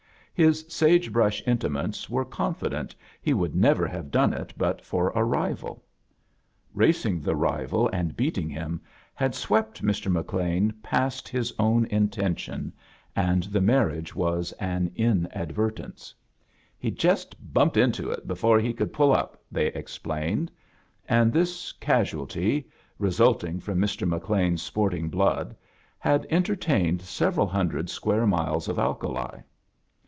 His sage brush intimates were confident he would never have done it but for a rivaL Racing the rival and beating him had swept Hr. BIcLean past his own intentions, A JOURNEY IN SEARCH OF CHRISTMAS and the maniage was an inadvertence. "He jest btimped into H before he could puU up," they explained; and this casual tYt resulting from Mr. McLean's sporting blood, had entertained several hundred square miles of alkali.